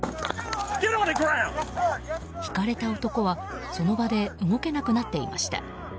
ひかれた男はその場で動けなくなっていました。